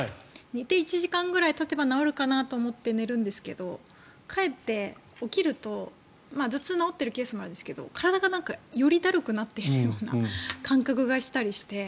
寝て、１時間ぐらいたてば治るかなと思って寝るんですけどかえって、起きると頭痛が治っているケースもあるんですが体がよりだるくなっているような感覚がしたりして。